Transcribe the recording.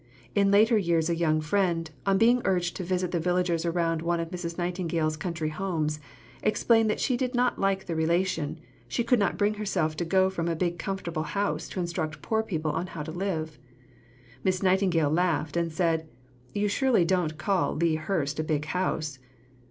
In later years a young friend, on being urged to visit the villagers around one of Miss Nightingale's country homes, explained that she did not like the relation, she could not bring herself to go from a big comfortable house to instruct poor people how to live. Miss Nightingale laughed, and said, "You surely don't call Lea Hurst a big house."